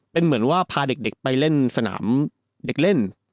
เป็นเหมือนว่าพาเด็กไปเล่นสนามเด็กเล่น